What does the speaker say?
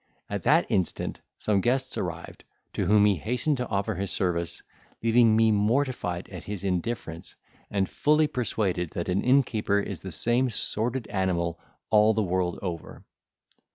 At that instant some guests arrived, to whom he hastened to offer his service, leaving me mortified at his indifference, and fully persuaded that an innkeeper is the same sordid animal all the world over.